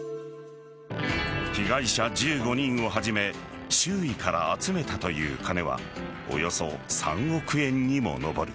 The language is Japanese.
被害者１５人をはじめ周囲から集めたという金はおよそ３億円にも上る。